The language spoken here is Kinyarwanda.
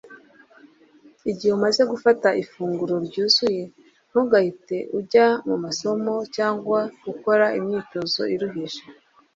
igihe umaze gufata ifunguro ryuzuye, ntugahite ujya mu masomo cyangwa ukora imyitozo iruhije